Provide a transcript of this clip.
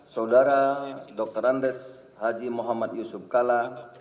saudara dr andes haji muhammad yusuf kala